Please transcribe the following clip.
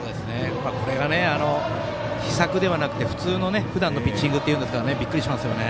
これが秘策ではなくて普通のふだんのピッチングというんですからびっくりしますよね。